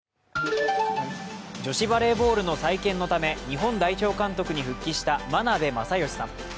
女子バレーボールの再建のため日本代表監督に復帰した眞鍋政義さん。